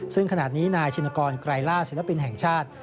ซึ่งขณะนี้นายชินกรไกรล่าศิลปินแห่งชาติ